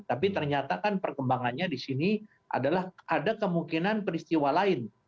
tapi ternyata kan perkembangannya di sini adalah ada kemungkinan peristiwa lain